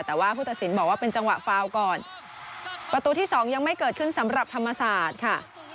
แต่ว่าผู้ตัดสินบอกว่าเป็นจังหวะฟาวก่อนประตูที่สองยังไม่เกิดขึ้นสำหรับธรรมศาสตร์ค่ะ